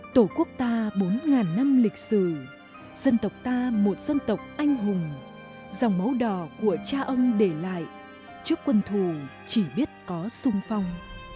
tổ quốc ta bốn năm lịch sử dân tộc ta một dân tộc anh hùng dòng máu đò của cha ông để lại trước quân thù chỉ biết có sung phong